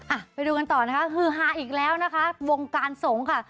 อ่ะไปดูกันต่อนะคะฮือฮาอีกแล้วนะคะวงการสงฆ์ค่ะ